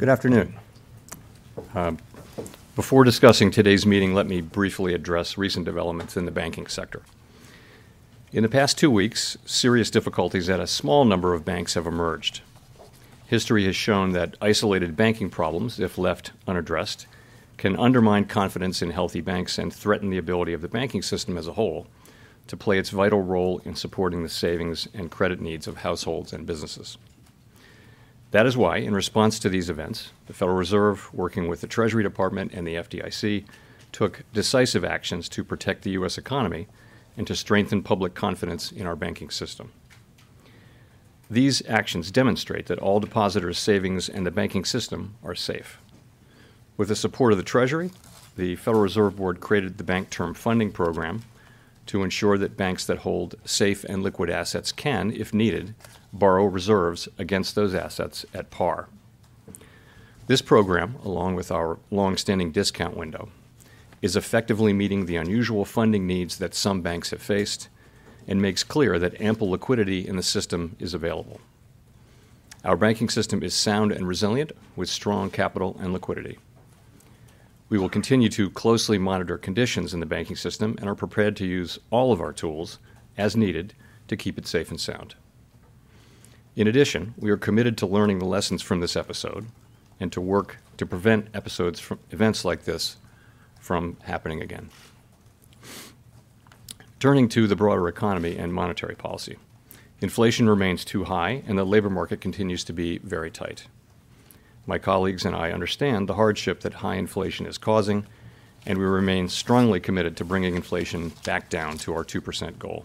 Good afternoon. Before discussing today's meeting, let me briefly address recent developments in the banking sector. In the past two weeks, serious difficulties at a small number of banks have emerged. History has shown that isolated banking problems, if left unaddressed, can undermine confidence in healthy banks and threaten the ability of the banking system as a whole to play its vital role in supporting the savings and credit needs of households and businesses. That is why, in response to these events, the Federal Reserve, working with the Treasury Department and the FDIC, took decisive actions to protect the U.S. economy and to strengthen public confidence in our banking system. These actions demonstrate that all depositors' savings in the banking system are safe. With the support of the Treasury, the Federal Reserve Board created the Bank Term Funding Program to ensure that banks that hold safe and liquid assets can, if needed, borrow reserves against those assets at par. This program, along with our long-standing discount window, is effectively meeting the unusual funding needs that some banks have faced and makes clear that ample liquidity in the system is available. Our banking system is sound and resilient, with strong capital and liquidity. We will continue to closely monitor conditions in the banking system and are prepared to use all of our tools as needed to keep it safe and sound. We are committed to learning the lessons from this episode and to work to prevent events like this from happening again. Turning to the broader economy and monetary policy, inflation remains too high, and the labor market continues to be very tight. My colleagues and I understand the hardship that high inflation is causing, and we remain strongly committed to bringing inflation back down to our 2% goal.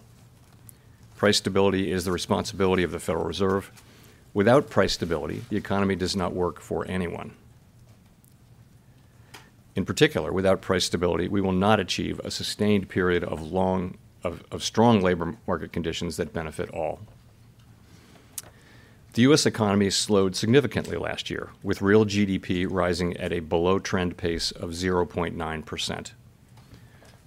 Price stability is the responsibility of the Federal Reserve. Without price stability, the economy does not work for anyone. In particular, without price stability, we will not achieve a sustained period of long of strong labor market conditions that benefit all. The U.S. economy slowed significantly last year, with real GDP rising at a below-trend pace of 0.9%.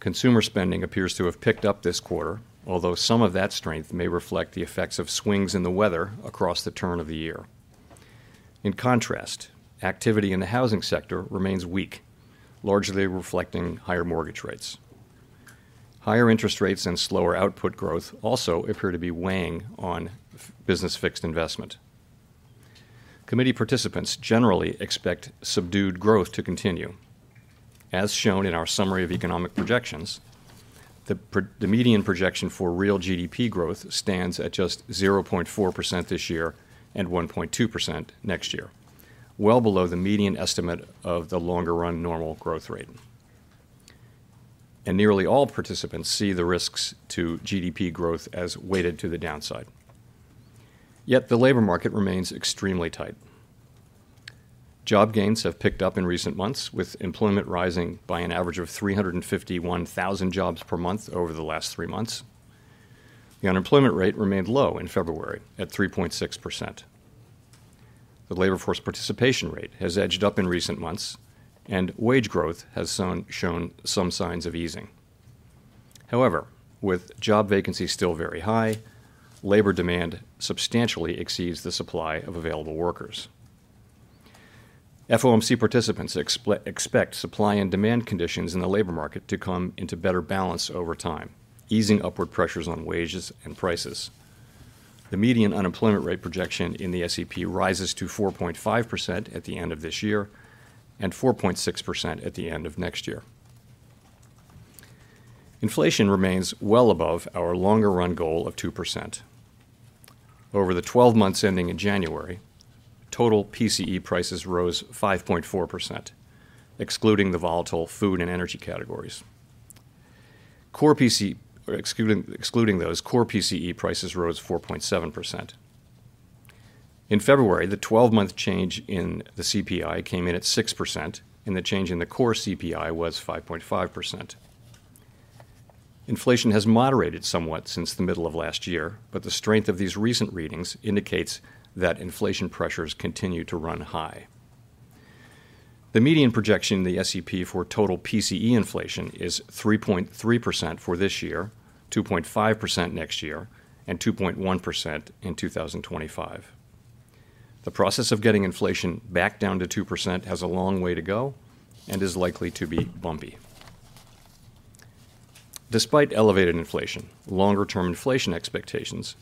Consumer spending appears to have picked up this quarter, although some of that strength may reflect the effects of swings in the weather across the turn of the year. In contrast, activity in the housing sector remains weak, largely reflecting higher mortgage rates. Higher interest rates and slower output growth also appear to be weighing on business fixed investment. Committee participants generally expect subdued growth to continue. As shown in our summary of economic projections, the median projection for real GDP growth stands at just 0.4% this year and 1.2% next year, well below the median estimate of the longer-run normal growth rate. Nearly all participants see the risks to GDP growth as weighted to the downside. Yet the labor market remains extremely tight. Job gains have picked up in recent months, with employment rising by an average of 351,000 jobs per month over the last three months. The unemployment rate remained low in February, at 3.6%. The labor force participation rate has edged up in recent months, and wage growth has shown some signs of easing. However, with job vacancies still very high, labor demand substantially exceeds the supply of available workers. FOMC participants expect supply and demand conditions in the labor market to come into better balance over time, easing upward pressures on wages and prices. The median unemployment rate projection in the SEP rises to 4.5% at the end of this year and 4.6% at the end of next year. Inflation remains well above our longer-run goal of 2%. Over the 12 months ending in January, total PCE prices rose 5.4%, excluding the volatile food and energy categories. Excluding those, core PCE prices rose 4.7%. In February, the 12-month change in the CPI came in at 6%. The change in the core CPI was 5.5%. Inflation has moderated somewhat since the middle of last year, but the strength of these recent readings indicates that inflation pressures continue to run high. The median projection in the SEP for total PCE inflation is 3.3% for this year, 2.5% next year, and 2.1% in 2025. The process of getting inflation back down to 2% has a long way to go and is likely to be bumpy. Despite elevated inflation, longer-term inflation expectations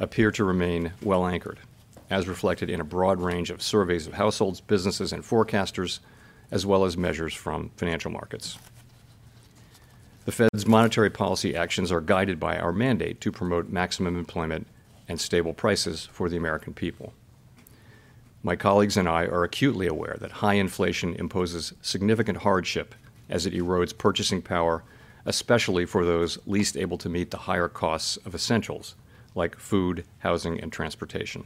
appear to remain well-anchored, as reflected in a broad range of surveys of households, businesses, and forecasters, as well as measures from financial markets. The Fed's monetary policy actions are guided by our mandate to promote maximum employment and stable prices for the American people. My colleagues and I are acutely aware that high inflation imposes significant hardship as it erodes purchasing power, especially for those least able to meet the higher costs of essentials like food, housing, and transportation.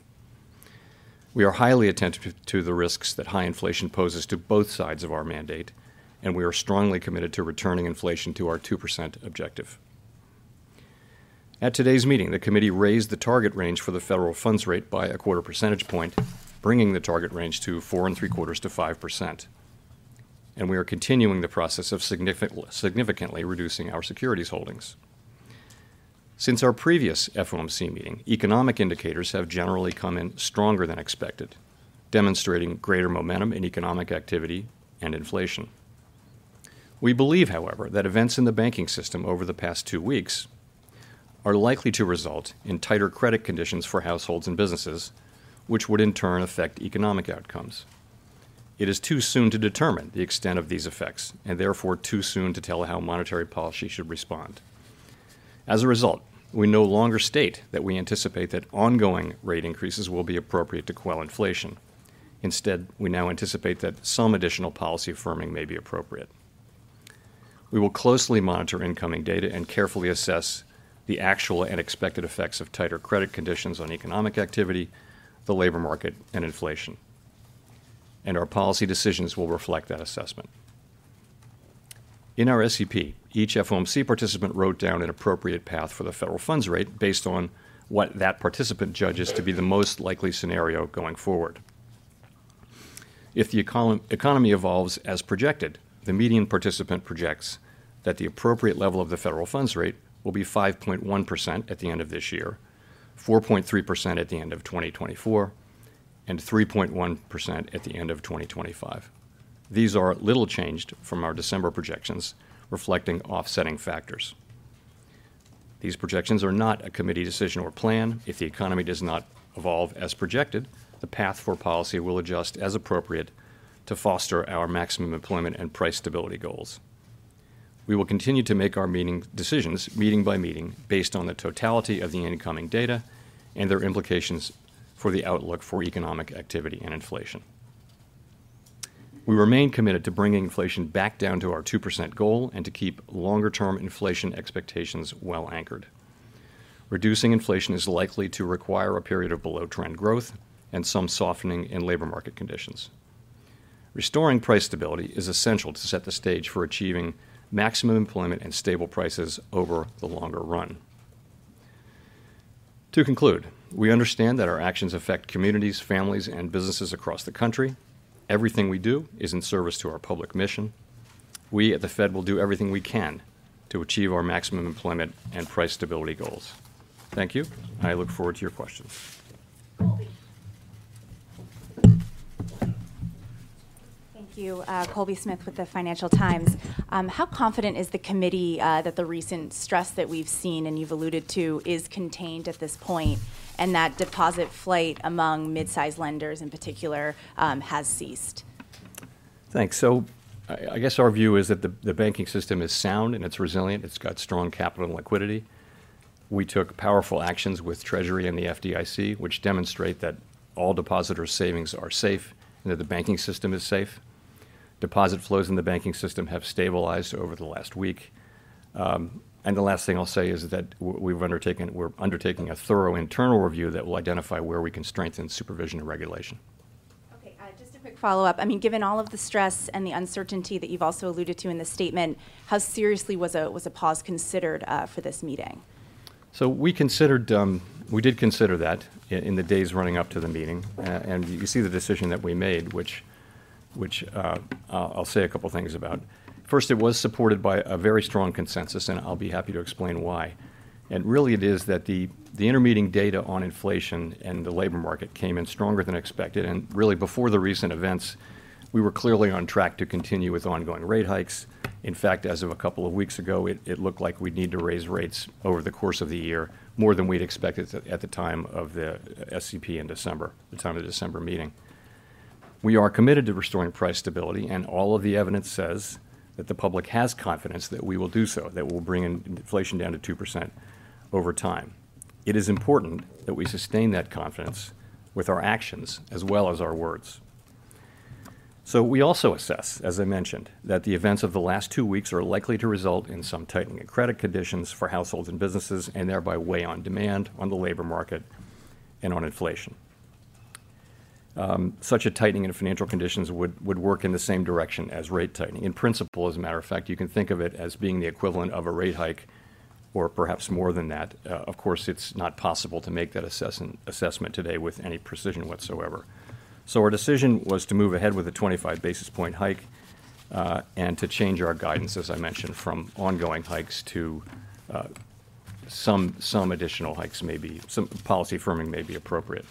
We are highly attentive to the risks that high inflation poses to both sides of our mandate. We are strongly committed to returning inflation to our 2% objective. At today's meeting, the Committee raised the target range for the federal funds rate by a quarter percentage point, bringing the target range to 4.75% to 5%. We are continuing the process of significantly reducing our securities holdings. Since our previous FOMC meeting, economic indicators have generally come in stronger than expected, demonstrating greater momentum in economic activity and inflation. We believe, however, that events in the banking system over the past two weeks are likely to result in tighter credit conditions for households and businesses, which would in turn affect economic outcomes. It is too soon to determine the extent of these effects, and therefore too soon to tell how monetary policy should respond. As a result, we no longer state that we anticipate that ongoing rate increases will be appropriate to quell inflation. Instead, we now anticipate that some additional policy firming may be appropriate. We will closely monitor incoming data and carefully assess the actual and expected effects of tighter credit conditions on economic activity, the labor market, and inflation. Our policy decisions will reflect that assessment. In our SEP, each FOMC participant wrote down an appropriate path for the federal funds rate based on what that participant judges to be the most likely scenario going forward. If the economy evolves as projected, the median participant projects that the appropriate level of the federal funds rate will be 5.1% at the end of this year, 4.3% at the end of 2024, and 3.1% at the end of 2025. These are little changed from our December projections, reflecting offsetting factors. These projections are not a committee decision or plan. If the economy does not evolve as projected, the path for policy will adjust as appropriate to foster our maximum employment and price stability goals. We will continue to make our meeting decisions meeting by meeting based on the totality of the incoming data and their implications for the outlook for economic activity and inflation. We remain committed to bringing inflation back down to our 2% goal and to keep longer-term inflation expectations well-anchored. Reducing inflation is likely to require a period of below-trend growth and some softening in labor market conditions. Restoring price stability is essential to set the stage for achieving maximum employment and stable prices over the longer run. To conclude, we understand that our actions affect communities, families, and businesses across the country. Everything we do is in service to our public mission. We at the Fed will do everything we can to achieve our maximum employment and price stability goals. Thank you. I look forward to your questions. Thank you. Colby Smith with the Financial Times. How confident is the committee that the recent stress that we've seen, and you've alluded to, is contained at this point, and that deposit flight among mid-sized lenders in particular, has ceased? Thanks. I guess our view is that the banking system is sound and it's resilient. It's got strong capital and liquidity. We took powerful actions with Treasury and the FDIC, which demonstrate that all depositor savings are safe and that the banking system is safe. Deposit flows in the banking system have stabilized over the last week. The last thing I'll say is that we're undertaking a thorough internal review that will identify where we can strengthen supervision and regulation. Okay. Just a quick follow-up. I mean, given all of the stress and the uncertainty that you've also alluded to in the statement, how seriously was a pause considered, for this meeting? We considered, we did consider that in the days running up to the meeting. You see the decision that we made, which I'll say a couple things about. First, it was supported by a very strong consensus i'll be happy to explain why. Really, it is that the intermeeting data on inflation and the labor market came in stronger than expected really, before the recent events, we were clearly on track to continue with ongoing rate hikes. In fact, as of a couple of weeks ago, it looked like we'd need to raise rates over the course of the year more than we'd expected at the time of the SEP in December, the time of the December meeting. We are committed to restoring price stability, and all of the evidence says that the public has confidence that we will do so, that we'll bring inflation down to 2% over time. It is important that we sustain that confidence with our actions as well as our words. We also assess, as I mentioned, that the events of the last two weeks are likely to result in some tightening of credit conditions for households and businesses, and thereby weigh on demand on the labor market and on inflation. Such a tightening in financial conditions would work in the same direction as rate tightening in principle, as a matter of fact, you can think of it as being the equivalent of a rate hike or perhaps more than that. Of course, it's not possible to make that assessment today with any precision whatsoever. Our decision was to move ahead with a 25 basis point hike, and to change our guidance, as I mentioned, from ongoing hikes to, some policy firming may be appropriate.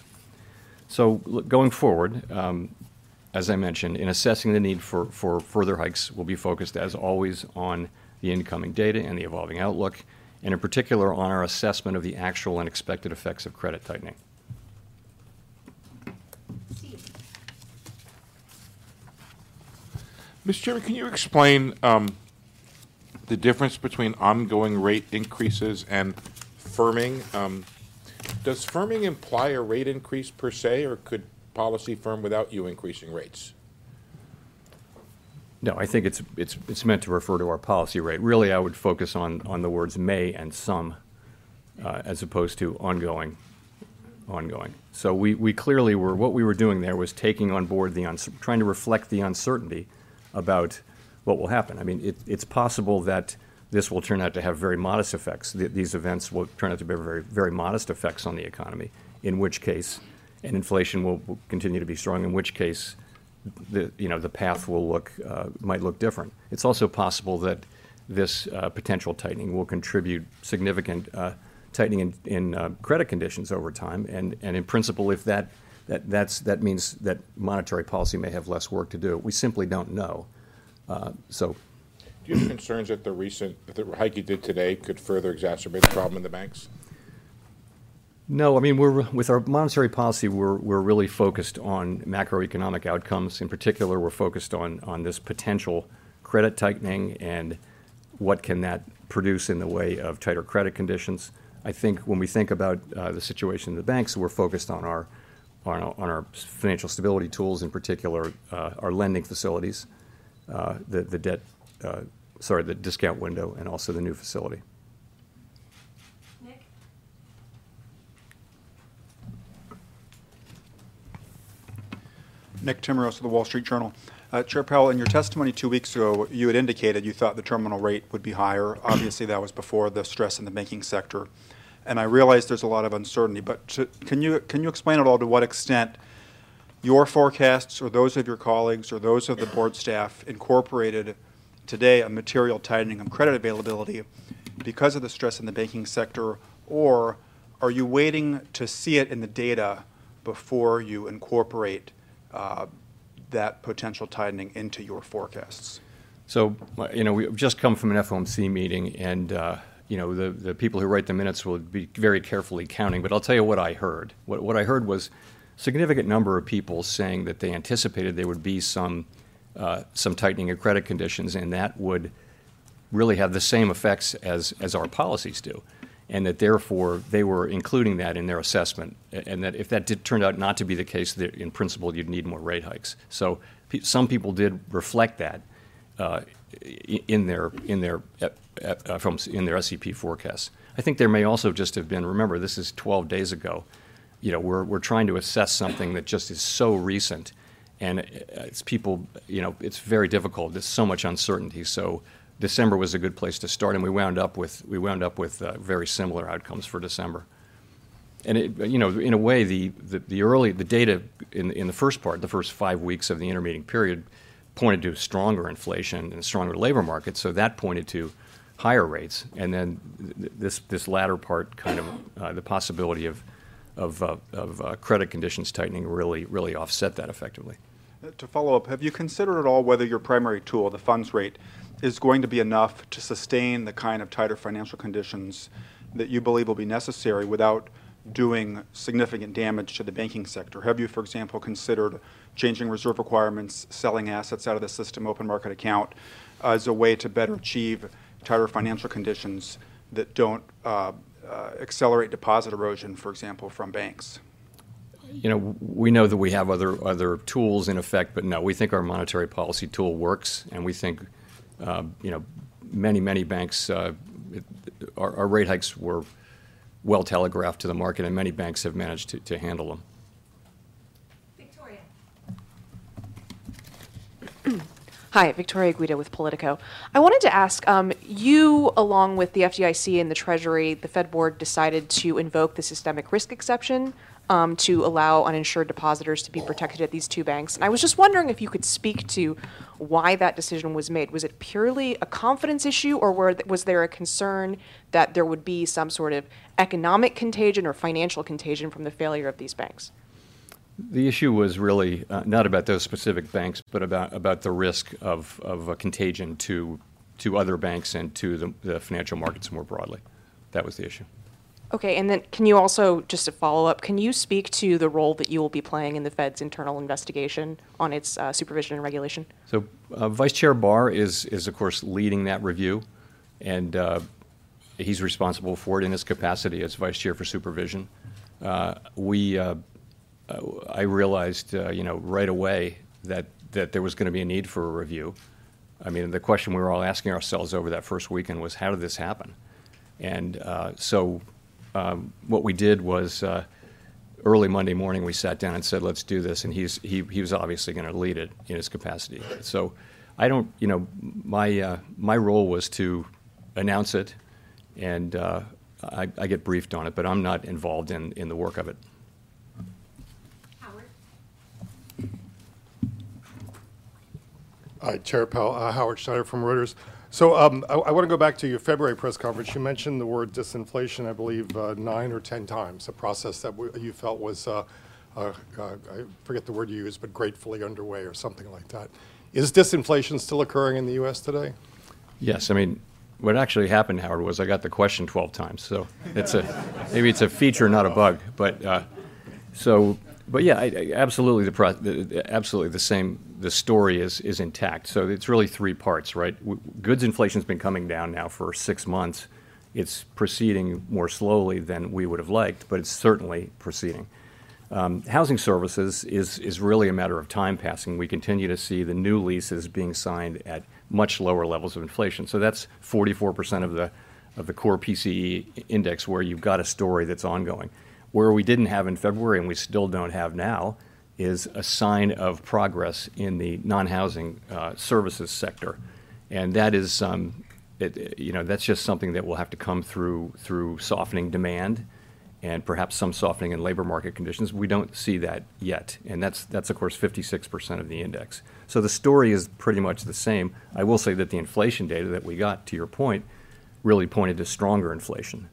going forward, as I mentioned, in assessing the need for further hikes, we'll be focused, as always, on the incoming data and the evolving outlook, and in particular, on our assessment of the actual and expected effects of credit tightening. Mr. Chair, can you explain the difference between ongoing rate increases and firming? Does firming imply a rate increase per se, or could policy firm without you increasing rates? No, I think it's meant to refer to our policy rate. Really, I would focus on the words may and some, as opposed to ongoing. We clearly What we were doing there was taking on board trying to reflect the uncertainty about what will happen i mean, it's possible that.. This will turn out to have very modest effects these events will turn out to be very, very modest effects on the economy, in which case and inflation will continue to be strong, in which case the, you know, the path will look might look different. It's also possible that this potential tightening will contribute significant tightening in credit conditions over time. In principle, if that's, that means that monetary policy may have less work to do we simply don't know. Do you have concerns that the hike you did today could further exacerbate the problem in the banks? No. I mean, we're with our monetary policy, we're really focused on macroeconomic outcomes. In particular, we're focused on this potential credit tightening and what can that produce in the way of tighter credit conditions. I think when we think about the situation of the banks, we're focused on our financial stability tools, in particular, our lending facilities, the debt, sorry, the discount window, and also the new facility. Nick Timiraos of The Wall Street Journal. Chair Powell, in your testimony two weeks ago, you had indicated you thought the terminal rate would be higher. Obviously, that was before the stress in the banking sector. I realize there's a lot of uncertainty, but Can you explain at all to what extent your forecasts or those of your colleagues or those of the board staff incorporated today a material tightening of credit availability because of the stress in the banking sector, or are you waiting to see it in the data before you incorporate that potential tightening into your forecasts? You know, we've just come from an FOMC meeting, you know, the people who write the minutes will be very carefully counting, I'll tell you what I heard. What I heard was significant number of people saying that they anticipated there would be some tightening of credit conditions, that would really have the same effects as our policies do, that therefore they were including that in their assessment and that if that did turn out not to be the case, that in principle you'd need more rate hikes. Some people did reflect that in their, at, in their SEP forecasts. I think there may also just have been remember, this is 12 days ago. You know, we're trying to assess something that just is so recent, and it's very difficult. December was a good place to start, and we wound up with very similar outcomes for December. It, you know, in a way, the early data in the first part, the first five weeks of the intermeeting period, pointed to stronger inflation and stronger labor markets, so that pointed to higher rates. This latter part kind of the possibility of credit conditions tightening really offset that effectively. To follow up, have you considered at all whether your primary tool, the funds rate, is going to be enough to sustain the kind of tighter financial conditions that you believe will be necessary without doing significant damage to the banking sector? Have you, for example, considered changing reserve requirements, selling assets out of the System Open Market Account, as a way to better achieve tighter financial conditions that don't accelerate deposit erosion, for example, from banks? You know, we know that we have other tools in effect no we think our monetary policy tool works. We think, you know, many banks, our rate hikes were well telegraphed to the market. Many banks have managed to handle them. Hi. Victoria Guida with POLITICO. I wanted to ask, you, along with the FDIC and the Treasury, the Fed Board decided to invoke the systemic risk exception, to allow uninsured depositors to be protected at these two banks. I was just wondering if you could speak to why that decision was made was it purely a confidence issue, or was there a concern that there would be some sort of economic contagion or financial contagion from the failure of these banks? The issue was really not about those specific banks, but about the risk of a contagion to other banks and to the financial markets more broadly. That was the issue. Okay. Can you also, just to follow up, can you speak to the role that you will be playing in the Fed's internal investigation on its supervision and regulation? Vice Chair Barr is, of course, leading that review, he's responsible for it in his capacity as vice chair for supervision. We, I realized, you know, right away that there was gonna be a need for a review. I mean, the question we were all asking ourselves over that first weekend was, "How did this happen?" What we did was, early Monday morning we sat down and said, "Let's do this," and he's obviously gonna lead it in his capacity. You know, my role was to announce it, I get briefed on it, but I'm not involved in the work of it. Hi, Chair Powell. Howard Schneider from Reuters. I wanna go back to your February press conference. You mentioned the word disinflation, I believe, nine or 10 times, a process that you felt was, I forget the word you used, but gratefully underway or something like that. Is disinflation still occurring in the US today? Yes. I mean, what actually happened, Howard, was I got the question 12 times, so it's Maybe it's a feature, not a bug. Yeah, I absolutely the same, the story is intact. It's really three parts, right? Goods inflation's been coming down now for six months. It's proceeding more slowly than we would have liked, but it's certainly proceeding. Housing services is really a matter of time passing we continue to see the new leases being signed at much lower levels of inflation, so that's 44% of the core PCE index where you've got a story that's ongoing. Where we didn't have in February and we still don't have now is a sign of progress in the non-housing, services sector, that is, you know, that's just something that will have to come through softening demand and perhaps some softening in labor market conditions we don't see that yet, and that's of course 56% of the index. The story is pretty much the same. I will say that the inflation data that we got, to your point, really pointed to stronger inflation.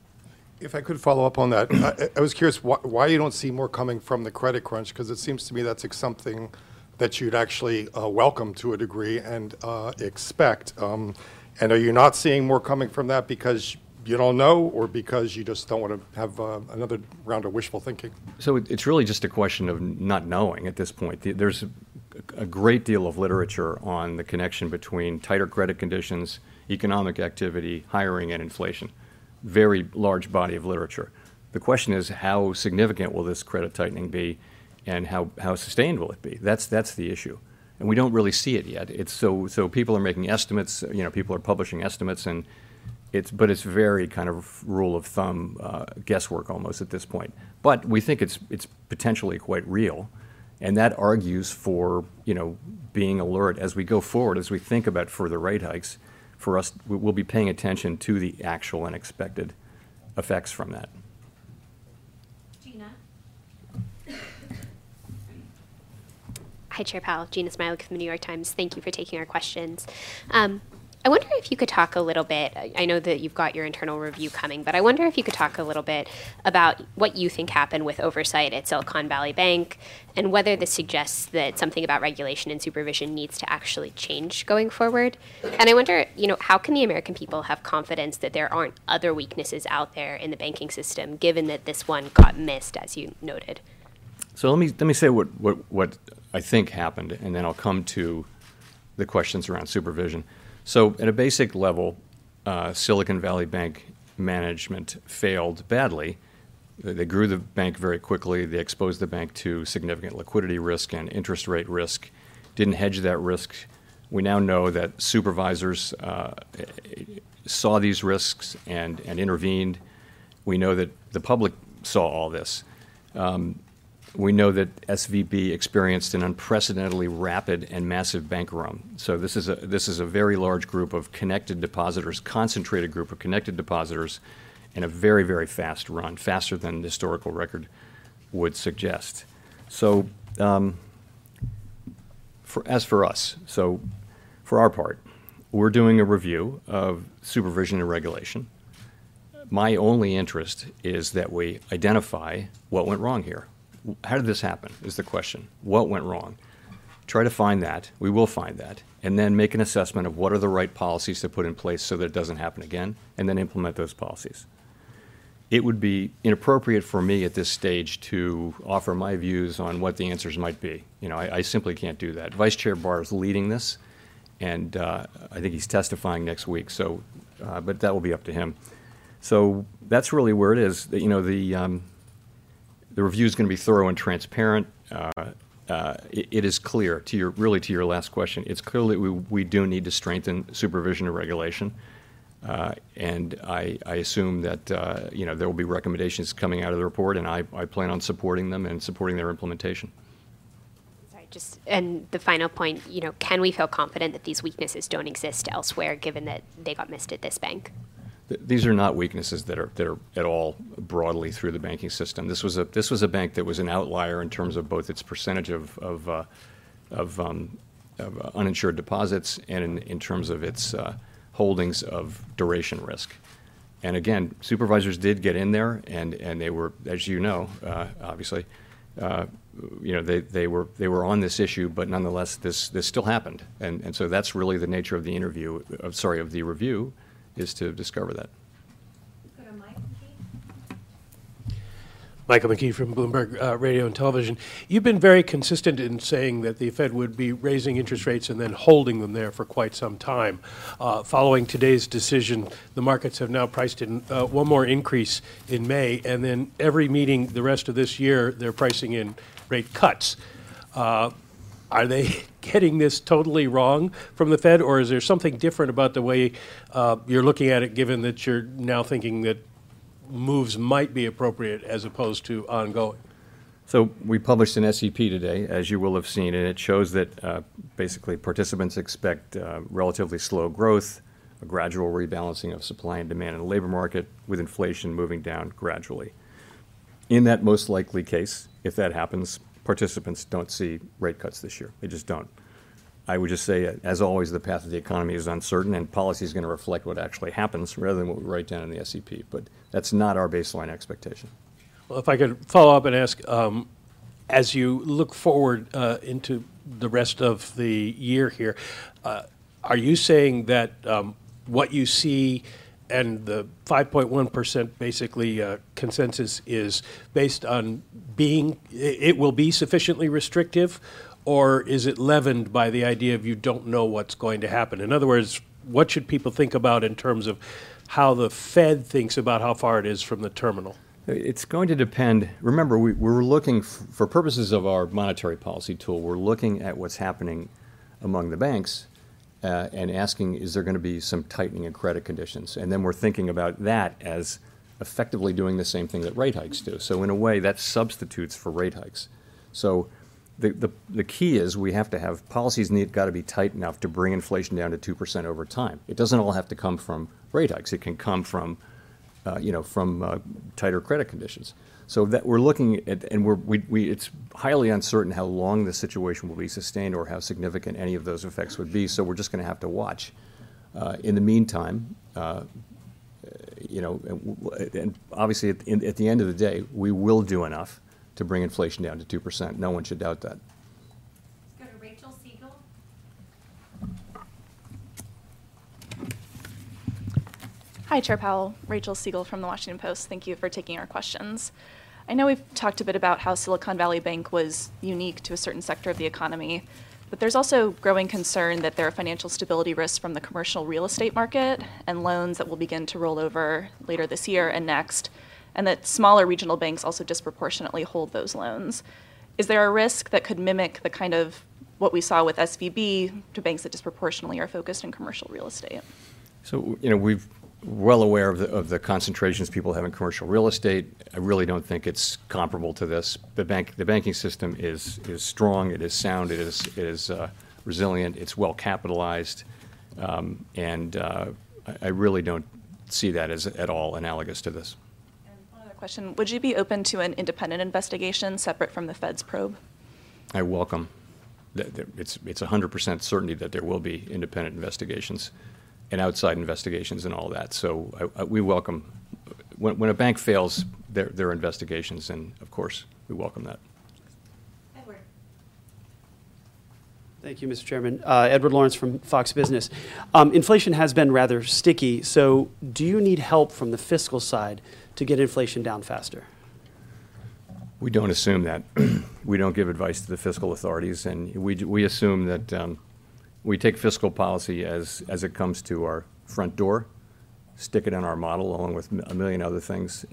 If I could follow up on that. I was curious why you don't see more coming from the credit crunch, 'cause it seems to me that's like something that you'd actually welcome to a degree and expect. Are you not seeing more coming from that because you don't know, or because you just don't wanna have another round of wishful thinking? A It's really just a question of not knowing at this point. There's a great deal of literature on the connection between tighter credit conditions, economic activity, hiring, and inflation. Very large body of literature. The question is, how significant will this credit tightening be, and how sustainable will it be? That's the issue. We don't really see it yet. People are making estimates, you know, people are publishing estimates, but it's very kind of rule of thumb guesswork almost at this point. We think it's potentially quite real, and that argues for, you know, being alert as we go forward, as we think about further rate hikes, for us, we'll be paying attention to the actual and expected effects from that. Hi, Chair Powell. Jeanna Smialek with the New York Times thank you for taking our questions. I wonder if you could talk a little bit, I know that you've got your internal review coming, but I wonder if you could talk a little bit about what you think happened with oversight at Silicon Valley Bank and whether this suggests that something about regulation and supervision needs to actually change going forward. I wonder, you know, how can the American people have confidence that there aren't other weaknesses out there in the banking system, given that this one got missed, as you noted? Let me say what I think happened, and then I'll come to the questions around supervision. At a basic level, Silicon Valley Bank management failed badly. They grew the bank very quickly they exposed the bank to significant liquidity risk and interest rate risk, didn't hedge that risk. We now know that supervisors saw these risks and intervened. We know that the public saw all this. We know that SVB experienced an unprecedentedly rapid and massive bank run. This is a very large group of connected depositors, concentrated group of connected depositors, in a very fast run, faster than the historical record would suggest. For our part, we're doing a review of supervision and regulation. My only interest is that we identify what went wrong here. How did this happen, is the question. What went wrong? Try to find that, we will find that, and then make an assessment of what are the right policies to put in place so that it doesn't happen again, and then implement those policies. It would be inappropriate for me at this stage to offer my views on what the answers might be. You know, I simply can't do that. Vice Chair Barr is leading this, and I think he's testifying next week. But that will be up to him. That's really where it is. You know, the review's gonna be thorough and transparent. It is clear to your, really to your last question, it's clear that we do need to strengthen supervision and regulation. I assume that, you know, there will be recommendations coming out of the report, and I plan on supporting them and supporting their implementation. Sorry, just, and the final point, you know, can we feel confident that these weaknesses don't exist elsewhere, given that they got missed at this bank? These are not weaknesses that are at all broadly through the banking system this was a bank that was an outlier in terms of both its percentage of uninsured deposits and in terms of its holdings of duration risk. Again, supervisors did get in there, and they were, as you know, obviously, you know, they were on this issue, nonetheless, this still happened. That's really the nature of the interview, sorry, of the review, is to discover that. Michael McKee from Bloomberg, Radio and Television. You've been very consistent in saying that the Fed would be raising interest rates and then holding them there for quite some time. Following today's decision, the markets have now priced in, one more increase in May, and then every meeting the rest of this year, they're pricing in rate cuts. Are they getting this totally wrong from the Fed, or is there something different about the way, you're looking at it, given that you're now thinking that moves might be appropriate as opposed to ongoing? We published an SEP today, as you will have seen, and it shows that, basically participants expect, relatively slow growth, a gradual rebalancing of supply and demand in the labor market, with inflation moving down gradually. In that most likely case, if that happens, participants don't see rate cuts this year. They just don't. I would just say, as always, the path of the economy is uncertain, and policy's gonna reflect what actually happens rather than what we write down in the SEP that's not our baseline expectation. Well, if I could follow up and ask, as you look forward, into the rest of the year here, are you saying that, what you see and the 5.1% basically, consensus is based on being, it will be sufficiently restrictive? Or is it leavened by the idea of you don't know what's going to happen? In other words, what should people think about in terms of how the Fed thinks about how far it is from the terminal? It's going to depend. Remember, we're looking for purposes of our monetary policy tool, we're looking at what's happening among the banks, and asking, "Is there gonna be some tightening in credit conditions?" We're thinking about that as effectively doing the same thing that rate hikes do in a way, that substitutes for rate hikes. The key is we have to have, policies need, gotta be tight enough to bring inflation down to 2% over time. It doesn't all have to come from rate hikes it can come from, you know, from tighter credit conditions. That, we're looking at, and we're, it's highly uncertain how long this situation will be sustained or how significant any of those effects would be, so we're just gonna have to watch. In the meantime, You know, and obviously at the end of the day, we will do enough to bring inflation down to 2% no one should doubt that. Let's go to Rachel Siegel. Hi, Chair Powell. Rachel Siegel from The Washington Post thank you for taking our questions. I know we've talked a bit about how Silicon Valley Bank was unique to a certain sector of the economy, but there's also growing concern that there are financial stability risks from the commercial real estate market and loans that will begin to roll over later this year and next, and that smaller regional banks also disproportionately hold those loans. Is there a risk that could mimic the kind of what we saw with SVB to banks that disproportionately are focused on commercial real estate? You know, we're well aware of the concentrations people have in commercial real estate. I really don't think it's comparable to this. The banking system is strong. It is sound. It is resilient. It's well-capitalized. I really don't see that as at all analogous to this. One other question. Would you be open to an independent investigation separate from the Fed's probe? I welcome. It's 100% certainty that there will be independent investigations and outside investigations and all that. I welcome. When a bank fails, there are investigations, and of course, we welcome that. Edward. Thank you, Mr. Chairman. Edward Lawrence from FOX Business. Inflation has been rather sticky, do you need help from the fiscal side to get inflation down faster? We don't assume that. We don't give advice to the fiscal authorities. We assume that. We take fiscal policy as it comes to our front door, stick it in our model along with a million other things.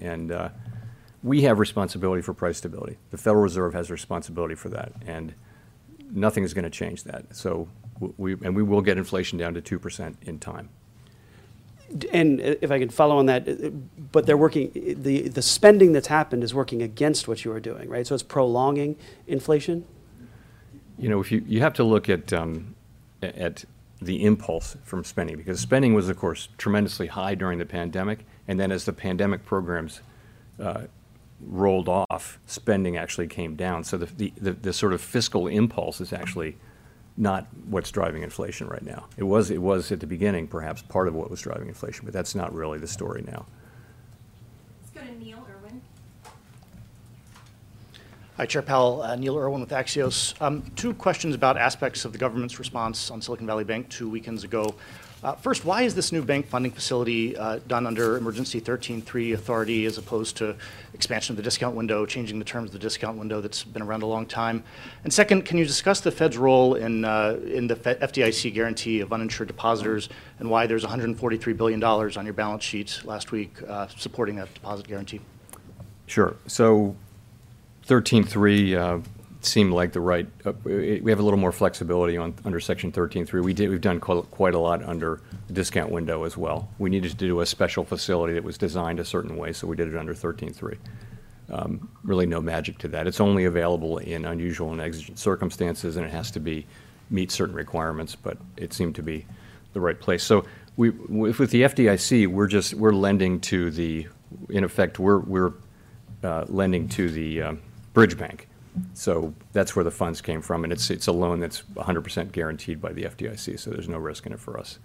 We have responsibility for price stability. The Federal Reserve has responsibility for that. Nothing is gonna change that. We will get inflation down to 2% in time. If I could follow on that, but they're working. The spending that's happened is working against what you are doing, right? It's prolonging inflation? You know, You have to look at the impulse from spending because spending was, of course, tremendously high during the pandemic, and then as the pandemic programs rolled off, spending actually came down the sort of fiscal impulse is actually not what's driving inflation right now. It was, it was at the beginning perhaps part of what was driving inflation, but that's not really the story now. Let's go to Neil Irwin. Hi, Chair Powell. Neil Irwin with Axios. Two questions about aspects of the government's response on Silicon Valley Bank two weekends ago. First, why is this new bank funding facility done under Section 13(3) authority as opposed to expansion of the discount window, changing the terms of the discount window that's been around a long time? Second, can you discuss the Fed's role in the FDIC guarantee of uninsured depositors and why there's $143 billion on your balance sheets last week, supporting that deposit guarantee? Sure. Section 13(3) seemed like the right. We have a little more flexibility under Section 13(3) we've done quite a lot under the discount window as well. We needed to do a special facility that was designed a certain way, so we did it under 13(3). Really no magic to that. It's only available in unusual and exigent circumstances, and it has to meet certain requirements, but it seemed to be the right place. We, with the FDIC, we're lending to the. In effect, we're lending to the bridge bank. That's where the funds came from, and it's a loan that's 100% guaranteed by the FDIC, so there's no risk in it for us.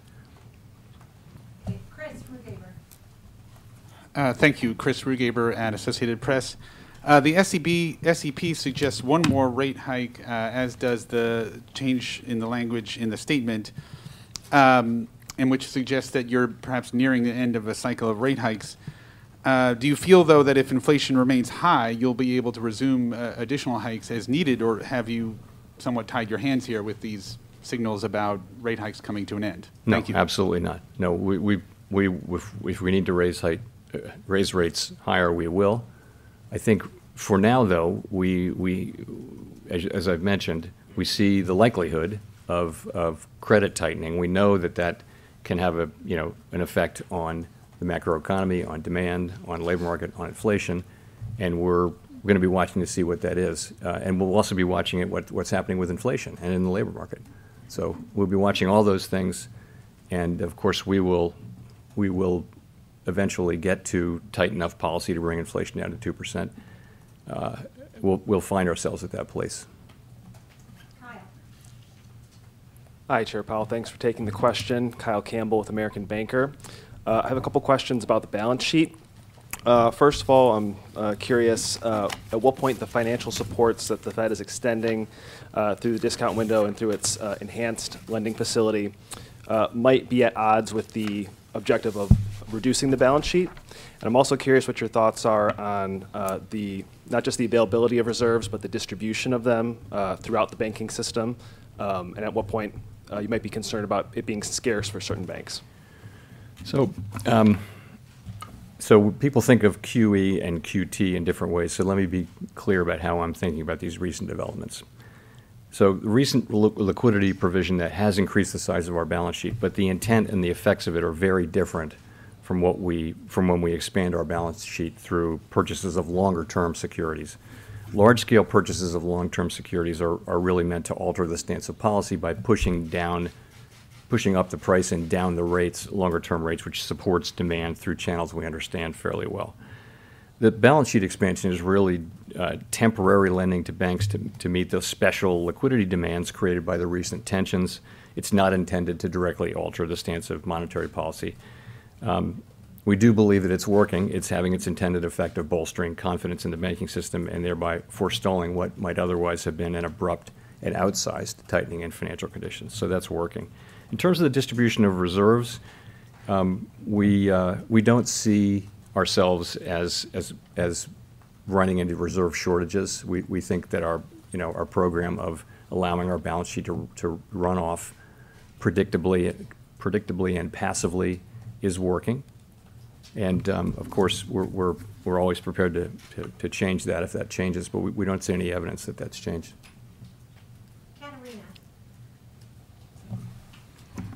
Thank you. Chris Rugaber at Associated Press. The SEP suggests one more rate hike, as does the change in the language in the statement, which suggests that you're perhaps nearing the end of a cycle of rate hikes. Do you feel, though, that if inflation remains high, you'll be able to resume additional hikes as needed, or have you somewhat tied your hands here with these signals about rate hikes coming to an end? Thank you. No, absolutely not. No. If we need to raise rates higher, we will. I think for now, though, we, as I've mentioned, we see the likelihood of credit tightening we know that that can have, you know, an effect on the macroeconomy, on demand, on labor market, on inflation, and we're gonna be watching to see what that is. We'll also be watching at what's happening with inflation and in the labor market. We'll be watching all those things. Of course, we will eventually get to tight enough policy to bring inflation down to 2%. We'll find ourselves at that place. Hi, Chair Powell. Thanks for taking the question. Kyle Campbell with American Banker. I have a couple questions about the balance sheet. First of all, I'm curious at what point the financial supports that the Fed is extending through the discount window and through its enhanced lending facility might be at odds with the objective of reducing the balance sheet. I'm also curious what your thoughts are on the not just the availability of reserves, but the distribution of them throughout the banking system, and at what point you might be concerned about it being scarce for certain banks. People think of QE and QT in different ways, let me be clear about how I'm thinking about these recent developments. Recent liquidity provision that has increased the size of our balance sheet, but the intent and the effects of it are very different from when we expand our balance sheet through purchases of longer-term securities. Large-scale purchases of long-term securities are really meant to alter the stance of policy by pushing down, pushing up the price and down the rates, longer-term rates, which supports demand through channels we understand fairly well. The balance sheet expansion is really temporary lending to banks to meet those special liquidity demands created by the recent tensions. It's not intended to directly alter the stance of monetary policy. We do believe that it's working. It's having its intended effect of bolstering confidence in the banking system, thereby forestalling what might otherwise have been an abrupt and outsized tightening in financial conditions that's working. In terms of the distribution of reserves, we don't see ourselves as running into reserve shortages. We think that our, you know, our program of allowing our balance sheet to run off predictably and passively is working. Of course, we're always prepared to change that if that changes, but we don't see any evidence that that's changed.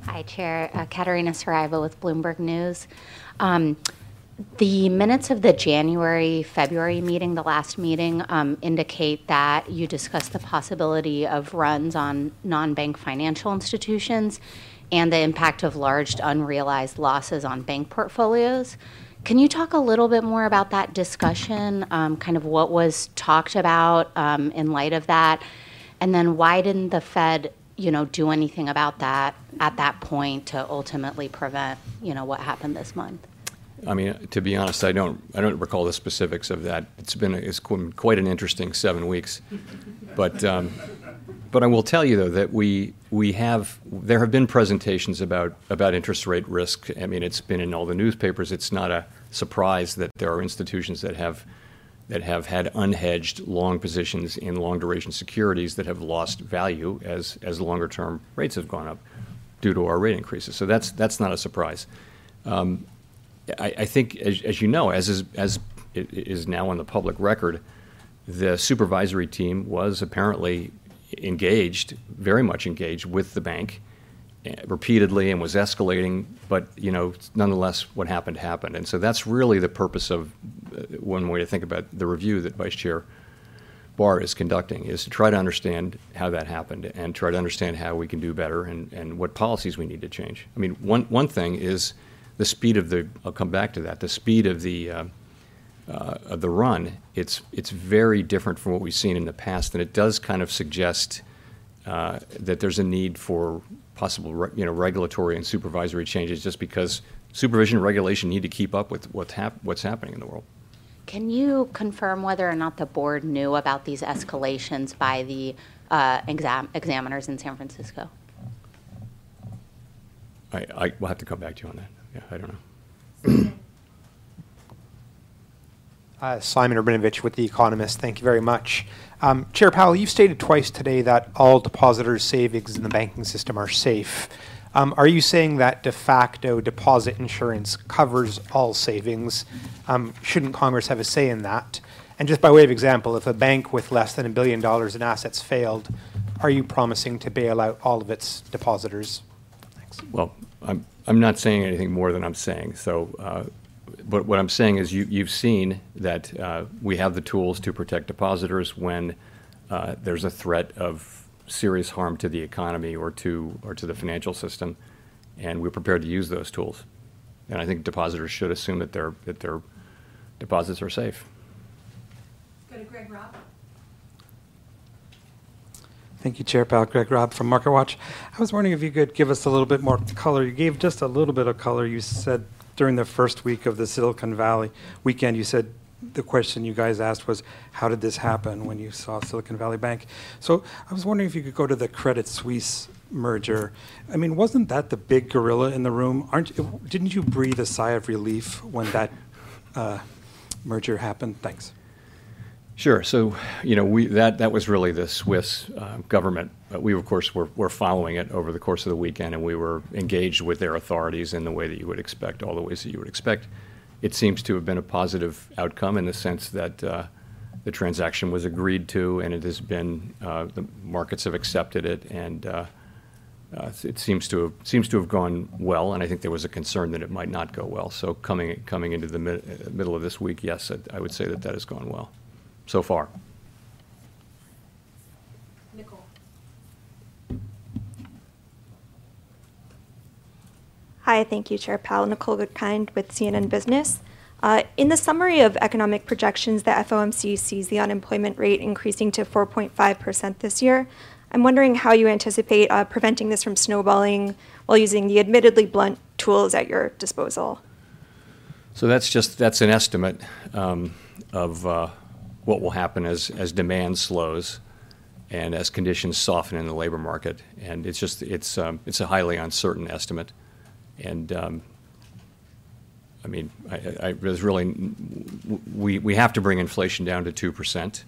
Hi, Chair. Catarina Saraiva with Bloomberg News. The minutes of the January, February meeting, the last meeting, indicate that you discussed the possibility of runs on non-bank financial institutions and the impact of large unrealized losses on bank portfolios. Can you talk a little bit more about that discussion, kind of what was talked about, in light of that? Why didn't the Fed, you know, do anything about that at that point to ultimately prevent, you know, what happened this month? I mean, to be honest, I don't recall the specifics of that. It's been it's quite an interesting seven weeks. I will tell you though that we have there have been presentations about interest rate risk. I mean, it's been in all the newspapers. It's not a surprise that there are institutions that have had unhedged long positions in long-duration securities that have lost value as longer-term rates have gone up due to our rate increases that's not a surprise. I think as you know, as is now in the public record, the supervisory team was apparently engaged, very much engaged with the bank repeatedly and was escalating. You know, nonetheless, what happened happened that's really the purpose of one way to think about the review that Vice Chair Barr is conducting, is to try to understand how that happened and try to understand how we can do better and what policies we need to change i mean, one thing is- -the speed of the-- I'll come back to that the speed of the run, it's very different from what we've seen in the past, and it does kind of suggest that there's a need for possible you know, regulatory and supervisory changes just because supervision and regulation need to keep up with what's happening in the world. Can you confirm whether or not the Board knew about these escalations by the examiners in San Francisco? I, We'll have to come back to you on that. Yeah, I don't know. Simon Rabinovitch with The Economist. Thank you very much. Chair Powell, you've stated twice today that all depositors' savings in the banking system are safe. Are you saying that de facto deposit insurance covers all savings? Shouldn't Congress have a say in that? Just by way of example, if a bank with less than $1 billion in assets failed, are you promising to bail out all of its depositors? Thanks. I'm not saying anything more than I'm saying. What I'm saying is you've seen that we have the tools to protect depositors when there's a threat of serious harm to the economy or to the financial system, and we're prepared to use those tools. I think depositors should assume that their deposits are safe. Let's go to Greg Robb. Thank you, Chair Powell. Greg Robb from MarketWatch. I was wondering if you could give us a little bit more color. You gave just a little bit of color. You said during the first week of the Silicon Valley weekend, you said the question you guys asked was, how did this happen, when you saw Silicon Valley Bank. I was wondering if you could go to the Credit Suisse merger. I mean, wasn't that the big gorilla in the room? Didn't you breathe a sigh of relief when that merger happened? Thanks. Sure. You know, that was really the Swiss government. We, of course, were following it over the course of the weekend, and we were engaged with their authorities in the way that you would expect, all the ways that you would expect. It seems to have been a positive outcome in the sense that the transaction was agreed to, and it has been, the markets have accepted it. It seems to have gone well, and I think there was a concern that it might not go well. Coming into the middle of this week, yes, I would say that has gone well so far. Nicole. Hi. Thank you, Chair Powell. Nicole Goodkind with CNN Business. In the summary of economic projections, the FOMC sees the unemployment rate increasing to 4.5% this year. I'm wondering how you anticipate, preventing this from snowballing while using the admittedly blunt tools at your disposal. That's an estimate, of what will happen as demand slows and as conditions soften in the labor market. It's a highly uncertain estimate. I mean, I, there's really. We have to bring inflation down to 2%.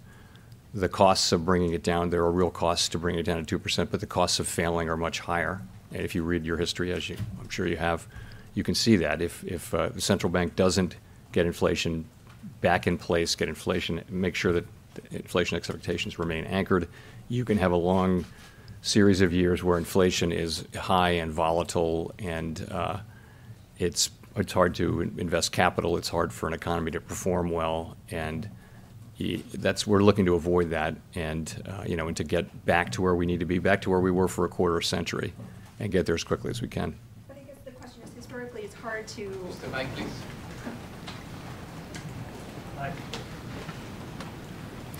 The costs of bringing it down, there are real costs to bringing it down to 2%, but the costs of failing are much higher. If you read your history, as you, I'm sure you have. You can see that. If the central bank doesn't get inflation back in place, make sure that inflation expectations remain anchored, you can have a long series of years where inflation is high and volatile and it's hard to invest capital it's hard for an economy to perform well. We're looking to avoid that and, you know, and to get back to where we need to be, back to where we were for a quarter century, and get there as quickly as we can. Historically, it's hard. Use the mic, please.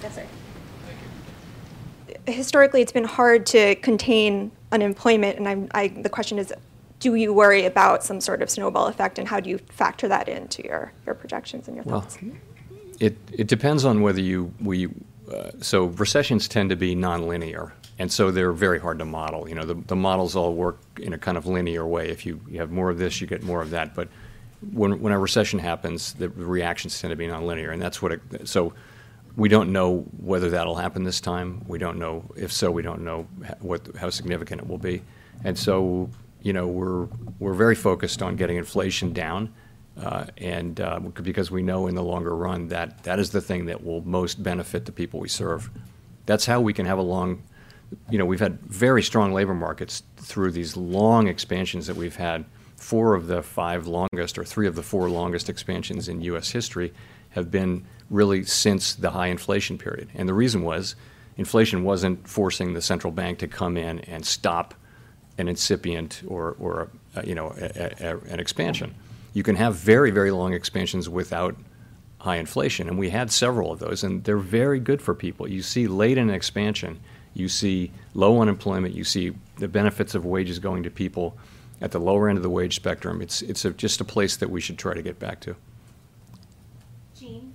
Yes, sir. Historically, it's been hard to contain unemployment, and the question is, do you worry about some sort of snowball effect, and how do you factor that into your projections and your thoughts? Well, it depends on whether we. Recessions tend to be nonlinear, and so they're very hard to model you know, the models all work in a kind of linear way. If you have more of this, you get more of that. When a recession happens, the reactions tend to be nonlinear. We don't know whether that'll happen this time. We don't know. If so, we don't know how significant it will be. You know, we're very focused on getting inflation down, and because we know in the longer run that that is the thing that will most benefit the people we serve. That's how we can have. You know, we've had very strong labor markets through these long expansions that we've had. Four of the five longest, or three of the four longest expansions in U.S. history have been really since the high inflation period. The reason was inflation wasn't forcing the central bank to come in and stop an incipient or, you know, an expansion. You can have very, very long expansions without high inflation we had several of those. They're very good for people. You see late in expansion. You see low unemployment. You see the benefits of wages going to people at the lower end of the wage spectrum it's just a place that we should try to get back to. Jean.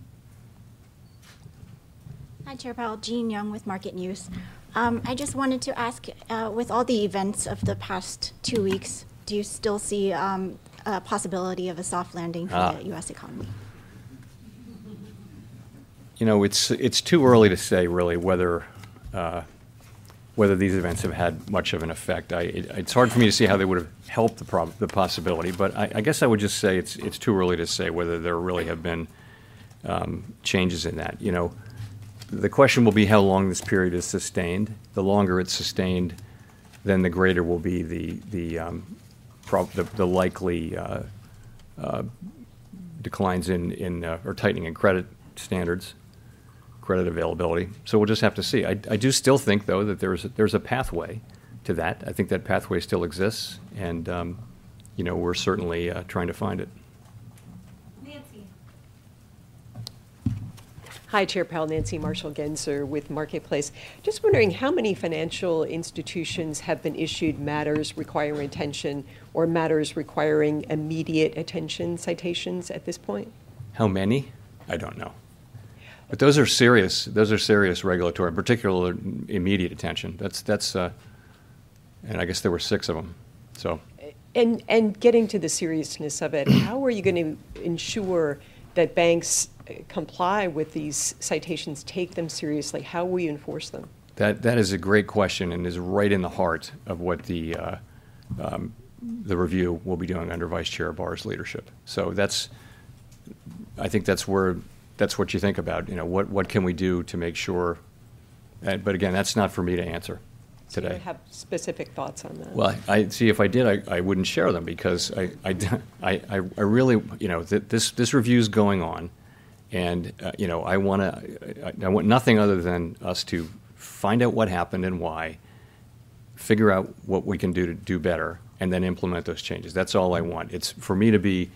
Hi, Chair Powell. Jean Yung with Market News. I just wanted to ask, with all the events of the past two weeks, do you still see a possibility of a soft landing? For the U.S. economy? You know, it's too early to say really whether these events have had much of an effect. I, it's hard for me to see how they would've helped the possibility, but I guess I would just say it's too early to say whether there really have been changes in that you know, the question will be how long this period is sustained. The longer it's sustained, then the greater will be the likely declines in or tightening in credit standards, credit availability. We'll just have to see i do still think, though, that there's a pathway to that. I think that pathway still exists and, you know, we're certainly trying to find it. Hi, Chair Powell. Nancy Marshall-Genzer with Marketplace. Just wondering how many financial institutions have been issued Matters Requiring Attention or Matters Requiring Immediate Attention citations at this point? How many? I don't know. Those are serious. Those are serious regulatory, in particular Immediate Attention that's. I guess there were six of them. Getting to the seriousness of it, how are you gonna ensure that banks comply with these citations, take them seriously? How will you enforce them? That is a great question, and is right in the heart of what the review we'll be doing under Vice Chair Barr's leadership. That's, I think that's where, that's what you think about. You know, what can we do to make sure. Again, that's not for me to answer today. You have specific thoughts on that? Well, I, see, if I did, I wouldn't share them because I really, you know, this review's going on and, you know, I want nothing other than us to find out what happened and why, figure out what we can do to do better, and then implement those changes that's all I want it's, for me to be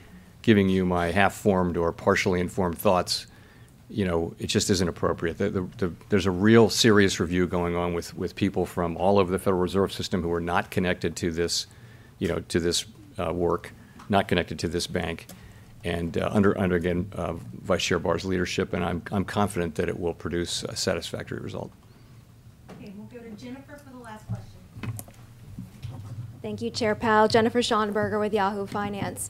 giving you my half-formed or partially informed thoughts. You know, it just isn't appropriate there's a real serious review going on with people from all over the Federal Reserve System who are not connected to this, you know, to this work, not connected to this bank. Under, again, Vice Chair Barr's leadership, and I'm confident that it will produce a satisfactory result. Okay. We'll go to Jennifer for the last question. Thank you, Chair Powell. Jennifer Schonberger with Yahoo Finance.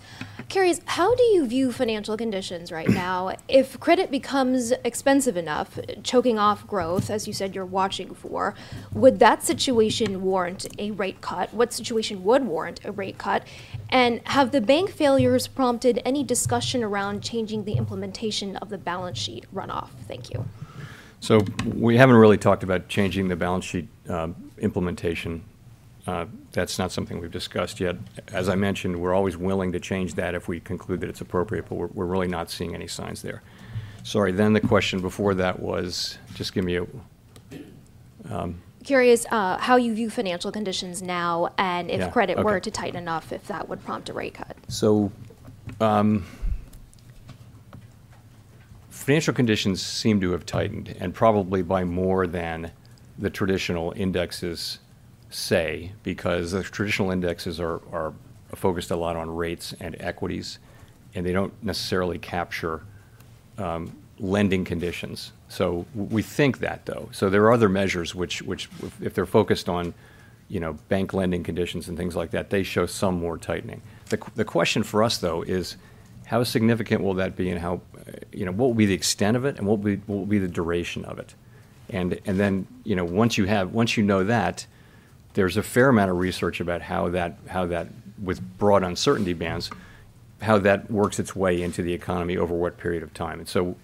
Curious, how do you view financial conditions right now? If credit becomes expensive enough, choking off growth, as you said you're watching for, would that situation warrant a rate cut? What situation would warrant a rate cut? Have the bank failures prompted any discussion around changing the implementation of the balance sheet runoff? Thank you. We haven't really talked about changing the balance sheet, implementation. That's not something we've discussed yet. As I mentioned, we're always willing to change that if we conclude that it's appropriate, but we're really not seeing any signs there. Sorry, the question before that was, just give me a. Curious, how you view financial conditions now. Yeah. Okay. If credit were to tighten enough, if that would prompt a rate cut. Financial conditions seem to have tightened, and probably by more than the traditional indexes say, because those traditional indexes are focused a lot on rates and equities, and they don't necessarily capture lending conditions. We think that, though there are other measures which if they're focused on, you know, bank lending conditions and things like that, they show some more tightening. The question for us, though, is how significant will that be and how, you know, what will be the extent of it, and what will be the duration of it? Then, you know, once you have, once you know that, there's a fair amount of research about how that, with broad uncertainty bands, how that works its way into the economy over what period of time. You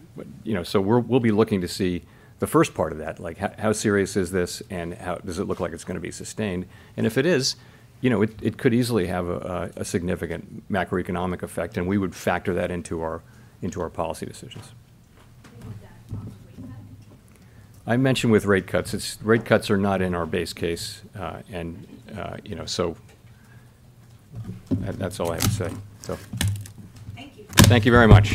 know, so we're, we'll be looking to see the first part of that like, how serious is this, and how, does it look like it's gonna be sustained? If it is, you know, it could easily have a significant macroeconomic effect, and we would factor that into our, into our policy decisions. [unaudible] I mentioned with rate cuts, rate cuts are not in our base case. you know, that's all I have to say. Thank you very much.